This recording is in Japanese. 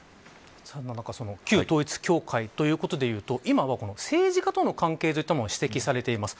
旧統一教会ということでいうと今は政治家との関係も指摘されています。